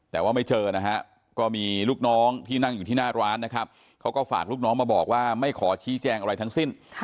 แต่ว่าไม่เจอนะฮะก็มีลูกน้องที่นั่งอยู่ที่หน้าร้านนะครับเขาก็ฝากลูกน้องมาบอกว่าไม่ขอชี้แจงอะไรทั้งสิ้น